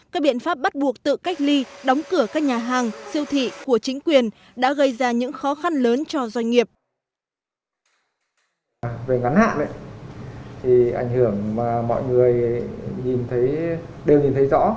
các biện pháp bắt buộc tự cách ly đóng cửa các nhà hàng siêu thị của chính quyền đã gây ra những khó khăn lớn cho doanh nghiệp